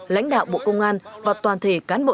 lãnh đạo bộ công an và toàn thể cán bộ